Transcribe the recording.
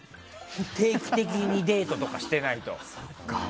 定期的にデートとかしてないと。